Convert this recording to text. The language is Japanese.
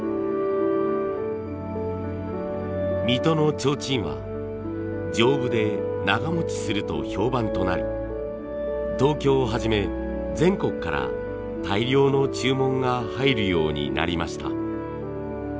水戸のちょうちんは丈夫で長持ちすると評判となり東京をはじめ全国から大量の注文が入るようになりました。